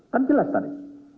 kan jelas tadi